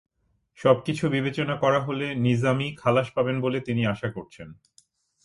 সবকিছু বিবেচনা করা হলে নিজামী খালাস পাবেন বলে তিনি আশা করছেন।